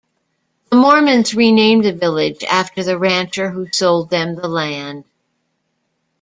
The Mormons renamed the village after the rancher who sold them the land.